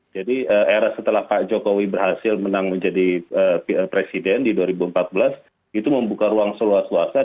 era setelah pak jokowi berhasil menang menjadi presiden di dua ribu empat belas itu membuka ruang seluas luasnya